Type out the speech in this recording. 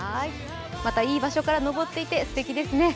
またいい場所から昇っていて、すてきですね。